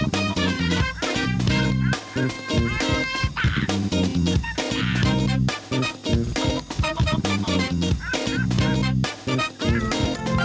โปรดติดตามตอนต่อไป